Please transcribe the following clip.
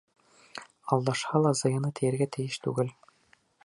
Алдашһа ла зыяны тейергә тейеш түгел.